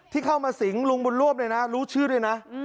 ที่เข้ามาสิงลุงบุญร่วมเนี่ยนะรู้ชื่อด้วยนะ